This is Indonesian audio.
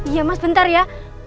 iya mas bentar ya